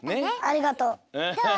ありがとう。